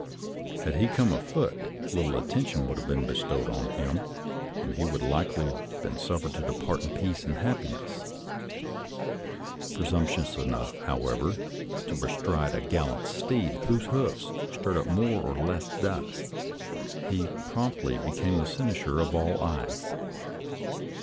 Had he come afoot, lit tle attention would have been bestowed on him and he would likely have been suffered to depart INCIDENTS AT FREDERICKSBURG 95 in peace and happiness. Presumptuous enough, however, to bestride a gallant steed, whose hoofs stirred up more or less dust, he promptly became the cynosure of all eyes.